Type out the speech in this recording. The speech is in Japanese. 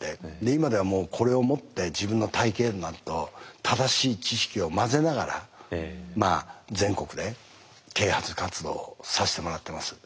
で今ではもうこれを持って自分の体験談と正しい知識を交ぜながら全国で啓発活動をさせてもらってます。